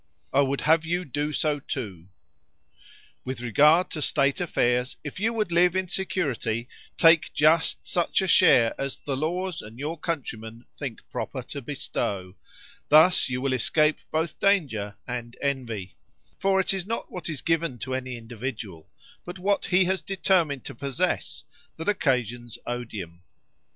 I would have you do so too. With regard to state affairs, if you would live in security, take just such a share as the laws and your countrymen think proper to bestow, thus you will escape both danger and envy; for it is not what is given to any individual, but what he has determined to possess, that occasions odium.